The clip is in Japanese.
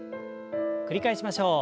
繰り返しましょう。